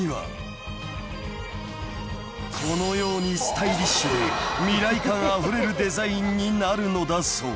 ［このようにスタイリッシュで未来感あふれるデザインになるのだそう］